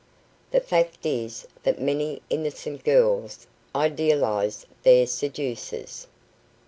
The fact is that many innocent girls idealize their seducers.